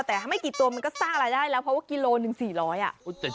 แต่ถ้าไม่กี่ตัวมันก็สร้างรายได้แล้วเพราะว่ากิโลหนึ่ง๔๐๐อ่ะ